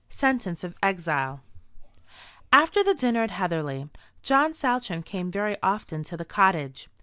SENTENCE OF EXILE. After the dinner at Heatherly, John Saltram came very often to the cottage.